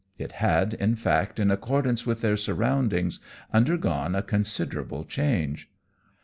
It had, in fact, in accordance with their surroundings, undergone a considerable change.